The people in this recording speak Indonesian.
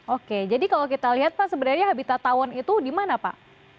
oke jadi kalau kita lihat pak sebenarnya habitat tawon itu di mana pak